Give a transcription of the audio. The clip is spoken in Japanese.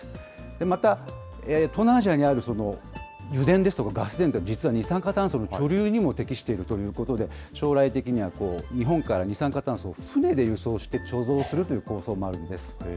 また、東南アジアにある油田ですとかガス田とか、実は二酸化炭素の貯留にも適しているということで、将来的には日本から、二酸化炭素を船で輸送して貯蔵するという構想もあるんですね。